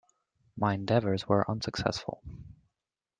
My endeavours were unsuccessful.